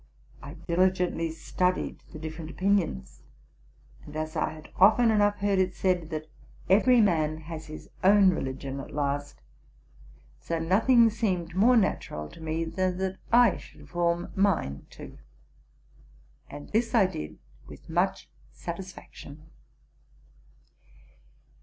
I diligently studied the different opinions: and as I had often enough heard it said that every man has his own religion at last, so nothing seemed more natural to me than that I should form mine too; and this I did with much satisfaction.